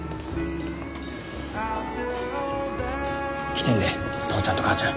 来てんで父ちゃんと母ちゃん。